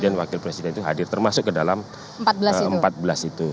kemudian wakil presiden itu hadir termasuk ke dalam empat belas itu